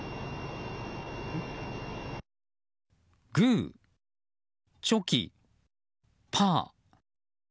グー、チョキ、パー。